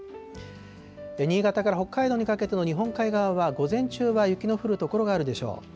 新潟から北海道にかけての日本海側は午前中は雪の降る所があるでしょう。